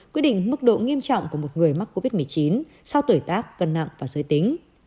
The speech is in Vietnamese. quyết định mức độ nghiêm trọng của một người mắc covid một mươi chín sau tuổi tác cân nặng và giới tính